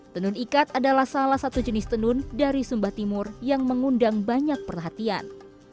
tenun ikat adalah salah satu jenis tenun dari sumba timur yang mengundang banyak perhatian